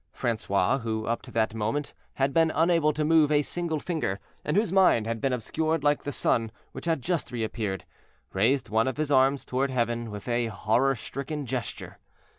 Francois, who, up to that moment, had been unable to move a single finger, and whose mind had been obscured like the sun which had just re appeared, raised one of his arms toward heaven with a horror stricken gesture.